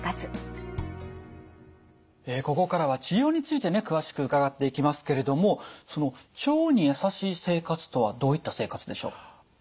ここからは治療についてね詳しく伺っていきますけれどもその「腸にやさしい生活」とはどういった生活でしょう？